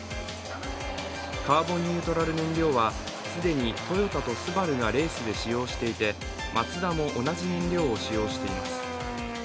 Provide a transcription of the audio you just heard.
カーボンニュートラル燃料は既にトヨタとＳＵＢＡＲＵがレースで使用していてマツダも同じ燃料を使用しています。